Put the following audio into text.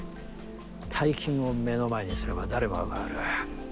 大金を目の前にすれば誰もが変わる。